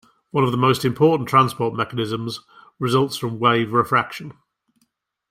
One of the most important transport mechanisms results from wave refraction.